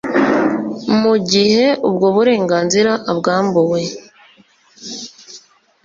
mu gihe ubwo burenganzira abwambuwe.